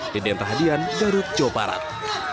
deden rahadian garut jawa barat